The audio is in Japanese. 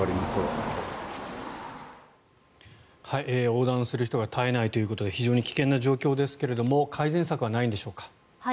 横断する人が絶えないということで非常に危険な状況ですが改善策はないんでしょうか。